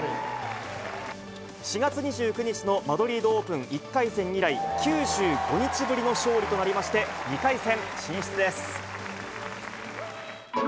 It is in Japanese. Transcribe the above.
４月２９日のマドリードオープン１回戦以来、９５日ぶりの勝利となりまして、２回戦進出です。